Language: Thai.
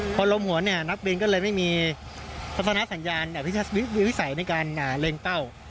พอลมหวนนักบินก็เลยไม่มีสัญญาณพิสัยในการเล็งเป้า